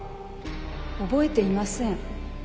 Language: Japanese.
覚えていません